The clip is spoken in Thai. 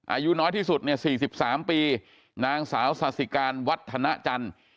อายุน้อยที่สุก๔๓ปีนางสาวสาธิกาลวัทธาณจรรย์